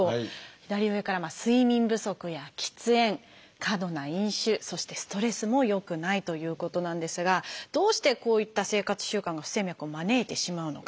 左上から睡眠不足や喫煙過度な飲酒そしてストレスも良くないということなんですがどうしてこういった生活習慣が不整脈を招いてしまうのか。